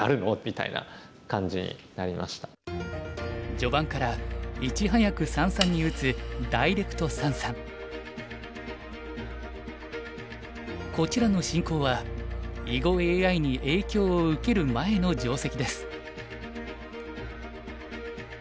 序盤からいち早く三々に打つこちらの進行は囲碁ＡＩに影響を受ける前の定石です。